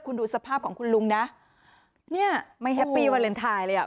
คุณดูสภาพของคุณลุงนะเนี่ยไม่แฮปปี้วาเลนไทยเลยอ่ะ